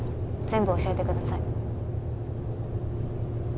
全部教えてください。